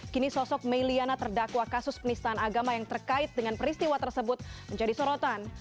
kini sosok may liana terdakwa kasus penistaan agama yang terkait dengan peristiwa tersebut menjadi sorotan